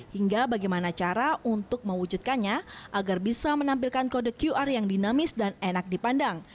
hingga bagaimana cara untuk mewujudkannya agar bisa menampilkan kode qr yang dinamis dan enak dipandang